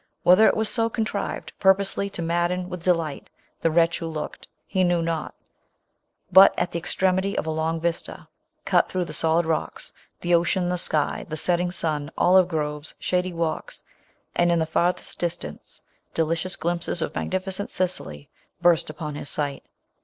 Whether it was so contri ved, purposely to madden with de light the wretch who looked, he knew not ; but, at the extremity of a long vista, cut through the solid rocks, the , ocean, the sky, the setting sun, olive groves, shady walks, and, in the far lQP*t distance, delicious glimpses of matruificent Sicily, burst upon his sight.